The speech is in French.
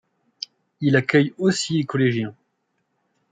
Il accueille aussi les collégiens.